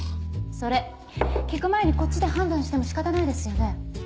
それ聞く前にこっちで判断しても仕方ないですよね。